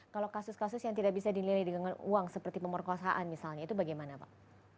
kalau kasus kasus yang tidak bisa dilindungi dengan uang seperti pemerkosaan misalnya itu bagaimana pak